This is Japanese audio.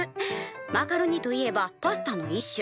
「マカロニといえばパスタの一種。